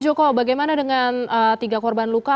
joko bagaimana dengan tiga korban luka